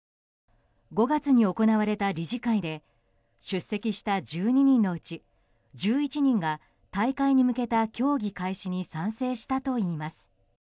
５月に行われた理事会で出席した１２人のうち１１人が退会に向けた協議開始に賛成したといいます。